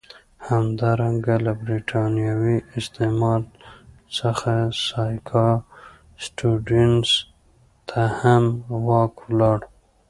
همدارنګه له برېتانوي استعمار څخه سیاکا سټیونز ته هم واک ولاړ.